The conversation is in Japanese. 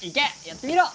やってみろ！